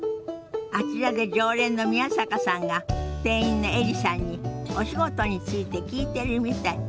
あちらで常連の宮坂さんが店員のエリさんにお仕事について聞いてるみたい。